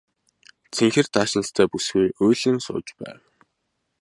Цэнхэр даашинзтай бүсгүй уйлан сууж байв.